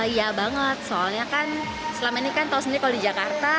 iya banget soalnya kan selama ini kan tahu sendiri kalau di jakarta